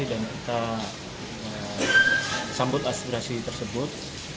dan kita sambut aspirasi tersebut